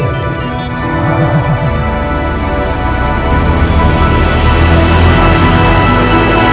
apa siang sambil menelekan makanan